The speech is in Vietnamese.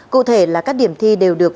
cụ thể là các điểm thi đều được